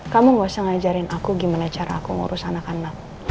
kamu gak usah ngajarin aku gimana cara aku ngurus anak anak